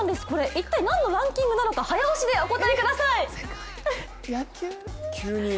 一体何のランキングなのか、早押しでお答えください。